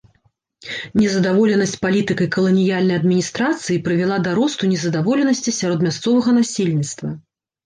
Незадаволенасць палітыкай каланіяльнай адміністрацыі прывяла да росту незадаволенасці сярод мясцовага насельніцтва.